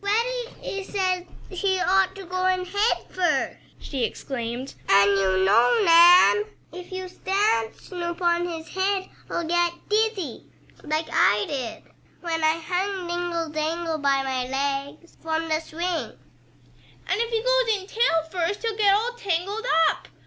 "Freddie says he ought to go in head first," she exclaimed, "and you know, Nan, if you stand Snoop on his head he'll get dizzy, like I did when I hung dingle dangle by my legs from the swing." "And if he goes in tail first he'll get all tangled up!"